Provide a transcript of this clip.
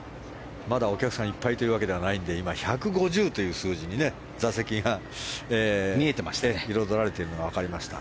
まだお客さんいっぱいというわけではないので今、１５０という数字に座席が彩られているのが分かりました。